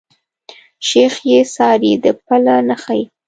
شيخ ئې څاري د پله نخښي